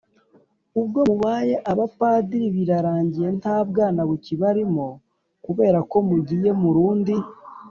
ubwo mubaye abapadiri, birarangiye nta bwana bukibarimo kubera ko mugiye mu rundi